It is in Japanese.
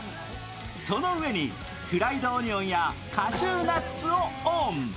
そのうえにフライドオニオンやカシューナッツをオン。